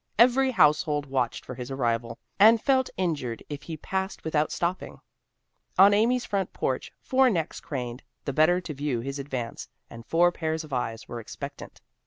Every household watched for his arrival, and felt injured if he passed without stopping. On Amy's porch four necks craned, the better to view his advance, and four pairs of eyes were expectant.